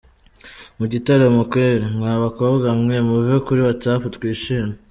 mu gitaramo kweli? Mwa bakobwa mwe muve kuri WhatsApp twishime…”.